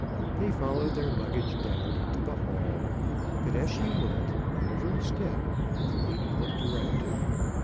They followed their luggage down into the hall ; but as she went, at every step, the lady looked around her.